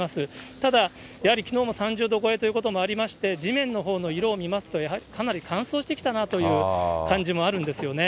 ただ、やはりきのうも３０度超えということもありまして、地面のほうの色を見ますと、かなり乾燥してきたなという感じもあるんですよね。